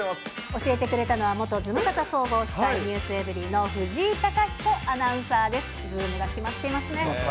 教えてくれたのは、元ズムサタ総合司会、ｎｅｗｓｅｖｅｒｙ．の藤井貴彦アナウンサーです。